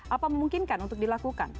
apa memungkinkan untuk dilakukan